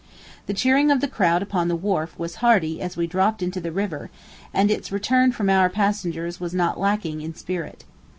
The cheering of the crowd upon the wharf was hearty as we dropped into the river, and its return from our passengers was not lacking in spirit.